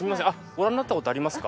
ご覧になったことありますか？